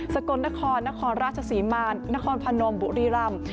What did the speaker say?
กลนครนครราชศรีมานครพนมบุรีรำ